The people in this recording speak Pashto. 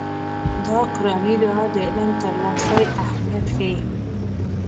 دا قرآني دعا د علم ترلاسي اهميت ښيي.